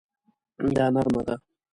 دا نرمه ده